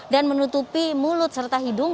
menutupi mulut serta hidung